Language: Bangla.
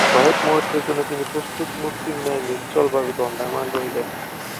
কয়েক মুহূর্তের জন্য তিনি প্রস্তরমূর্তির ন্যায় নিশ্চলভাবে দণ্ডায়মান রহিলেন।